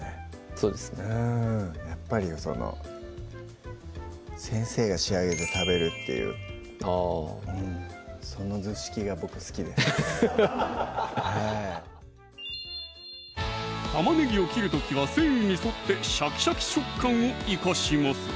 そうですねうんやっぱりその先生が仕上げて食べるっていうあぁその図式が僕好きです玉ねぎを切る時は繊維に沿ってシャキシャキ食感を生かしますぞ！